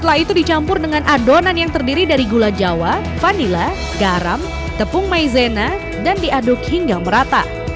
setelah itu dicampur dengan adonan yang terdiri dari gula jawa vanila garam tepung maizena dan diaduk hingga merata